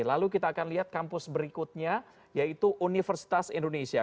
lalu kita akan lihat kampus berikutnya yaitu universitas indonesia